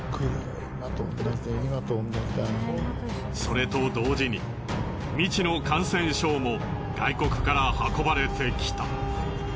それと同時に未知の感染症も外国から運ばれてきた。